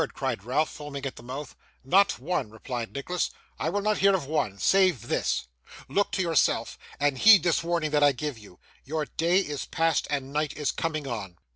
cried Ralph, foaming at the mouth. 'Not one,' replied Nicholas, 'I will not hear of one save this. Look to yourself, and heed this warning that I give you! Your day is past, and night is comin' on.